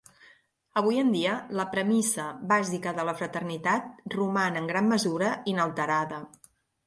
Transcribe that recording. Avui en dia, la premissa bàsica de la fraternitat roman, en gran mesura, inalterada.